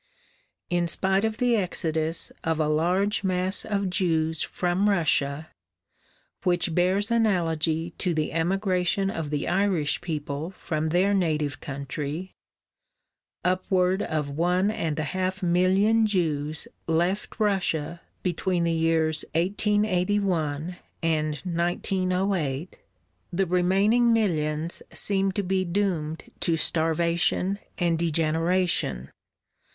In spite of the exodus of a large mass of Jews from Russia, which bears analogy to the emigration of the Irish people from their native country, upward of one and a half million Jews left Russia between the years 1881 and 1908, the remaining millions seem to be doomed to starvation and degeneration.